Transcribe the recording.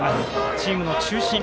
チームの中心。